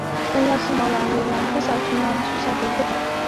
三药细笔兰为兰科小唇兰属下的一个种。